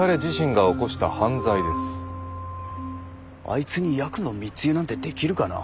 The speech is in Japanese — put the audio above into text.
あいつにヤクの密輸なんてできるかな。